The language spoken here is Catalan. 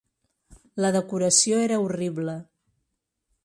La decoració era horrible.